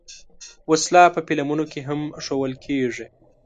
وسله په فلمونو کې هم ښودل کېږي